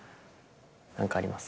何かあります？